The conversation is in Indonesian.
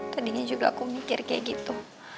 tadinya juga aku mikir kayak gitu